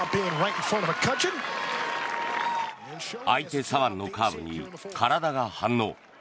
相手左腕のカーブに体が反応。